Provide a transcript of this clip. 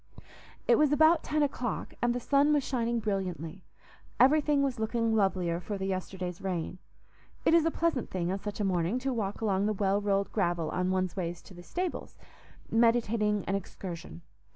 It was about ten o'clock, and the sun was shining brilliantly; everything was looking lovelier for the yesterday's rain. It is a pleasant thing on such a morning to walk along the well rolled gravel on one's way to the stables, meditating an excursion.